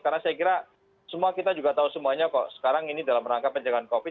karena saya kira semua kita juga tahu semuanya kok sekarang ini dalam rangka penjagaan covid